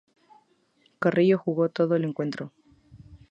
Carrillo jugó todo el encuentro.